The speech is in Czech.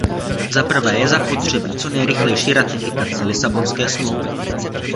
Za prvé je zapotřebí co nejrychlejší ratifikace Lisabonské smlouvy.